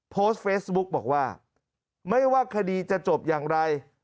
โพสต์เฟซบุ๊กบอกว่าไม่ว่าคดีจะจบอย่างไร